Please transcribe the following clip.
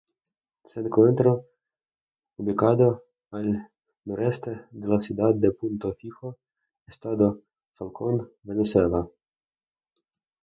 Se encuentra ubicado al noreste de la ciudad de Punto Fijo, Estado Falcón, Venezuela.